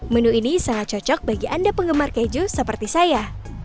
menu ini sangat cocok bagi anda penggemar keju seperti saya